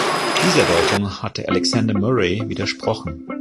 Dieser Deutung hat Alexander Murray widersprochen.